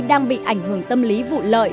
đang bị ảnh hưởng tâm lý vụ lợi